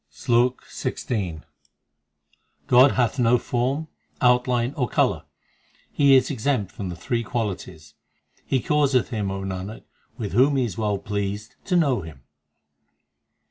1 SLOK XVI God hath no form, outline, or colour ; He is exempt from the three qualities ; He causeth him, O Nanak, with whom He is well pleased to know Him.